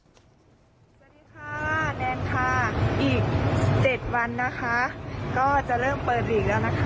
สวัสดีค่ะแนนค่ะอีก๗วันนะคะก็จะเริ่มเปิดหลีกแล้วนะคะ